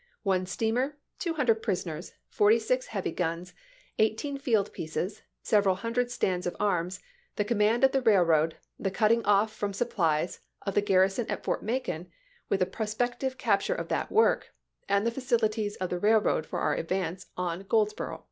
one steamer, two hundred prisoners, forty six heavy guns, eighteen field pieces, several hundred stands of arms, the command of the railroad, the cutting off from supplies of the garrison of Fort Macon, with the prospective capture of that work, Report^to and the facilities of the railroad for our advance Sf c™nduc1; on Goldsboro'."